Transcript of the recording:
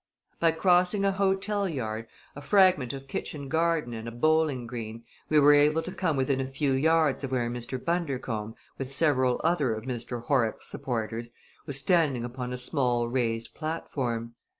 By crossing a hotel yard, a fragment of kitchen garden and a bowling green, we were able to come within a few yards of where Mr. Bundercombe, with several other of Mr. Horrocks' supporters, was standing upon a small raised platform.